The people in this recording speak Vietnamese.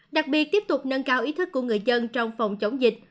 đặc biệt tiếp tục nâng cao ý thức của người dân trong phòng chống dịch